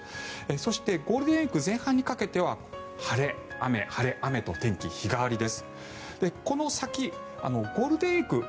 そしてゴールデンウィーク前半にかけては晴れ、雨、晴れ、雨と「ワイド！